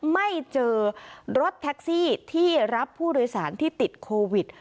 ไม่เจอรถแท็กซี่ที่รับผู้โดยสารที่ติดโควิด